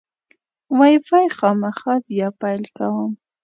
وای فای خامخا بیا پیل کوم.